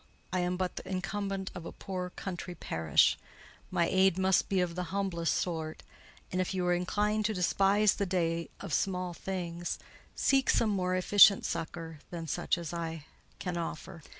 I am but the incumbent of a poor country parish: my aid must be of the humblest sort. And if you are inclined to despise the day of small things, seek some more efficient succour than such as I can offer."